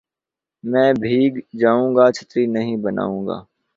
میں بھیگ جاؤں گا چھتری نہیں بناؤں گا